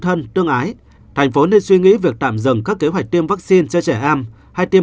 thân tương ái thành phố nên suy nghĩ việc tạm dừng các kế hoạch tiêm vaccine cho trẻ em hay tiêm